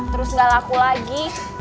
terus gak laku lagi